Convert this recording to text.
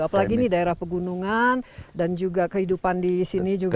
apalagi ini daerah pegunungan dan juga kehidupan di sini juga